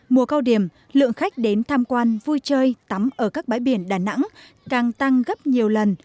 mùa cao điểm lượng khách đến tham quan vui chơi tắm ở các bãi biển đà nẵng càng tăng gấp nhiều lần